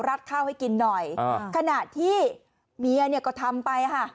ข้าวให้กินหน่อยขณะที่เมียเนี่ยก็ทำไปค่ะ